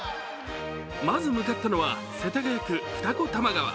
まず向かったのは世田谷区二子玉川。